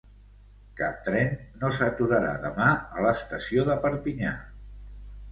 Cap tren no s’aturarà demà a l’estació de Perpinyà.